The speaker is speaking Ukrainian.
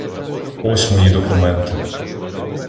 Ось мої документи.